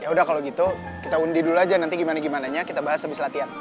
yaudah kalo gitu kita undi dulu aja nanti gimana gimananya kita bahas abis latihan